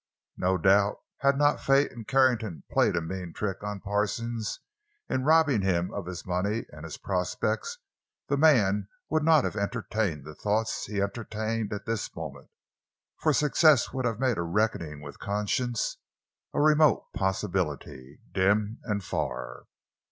No doubt had not Fate and Carrington played a mean trick on Parsons, in robbing him of his money and his prospects, the man would not have entertained the thoughts he entertained at this moment; for success would have made a reckoning with conscience a remote possibility, dim and far.